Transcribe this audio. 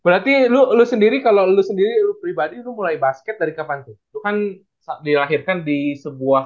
lalu elu sendiri kalau lu sendiri pribadi mulai basket dari kapan sih kan dilahirkan di sebuah